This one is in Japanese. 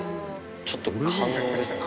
ちょっと感動ですね。